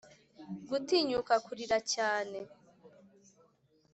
gutinyuka kurira cyane